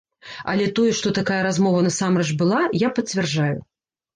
Але тое, што такая размова насамрэч была, я пацвярджаю.